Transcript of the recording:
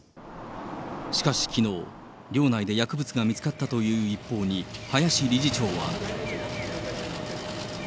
しかしきのう、寮内で薬物が見つかったという一報に、林理事長は。